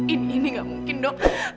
ini ini gak mungkin dok